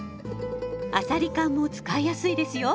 あさり缶も使いやすいですよ。